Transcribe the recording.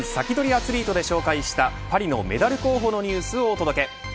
アツリートで紹介したパリのメダル候補のニュースをお届け。